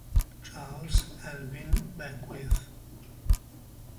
Charles Alvin Beckwith